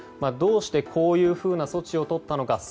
どうして、こういうふうな措置をとったのか。